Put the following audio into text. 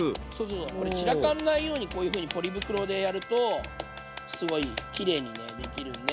これ散らかんないようにこういうふうにポリ袋でやるとすごいきれいにねできるんで。